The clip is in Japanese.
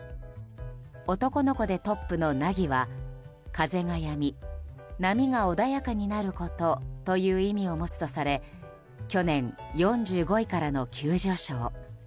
男の子でトップの凪は風がやみ、波が穏やかになることという意味を持つとされ去年４５位からの急上昇。